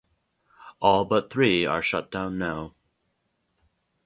All but three are shut down now.